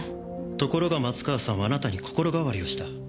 ところが松川さんはあなたに心変わりをした。